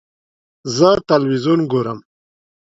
زه تلویزیون ګورم